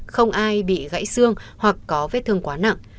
không ai bị gãy xương hoặc có vết thương quá nặng